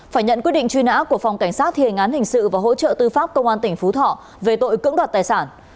phải nhận quyết định truy nã của phòng cảnh sát thề ngán hình sự và hỗ trợ tư pháp công an tỉnh phú thọ về tội cưỡng đoạt tài sản